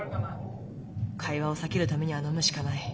会話を避けるためには飲むしかない。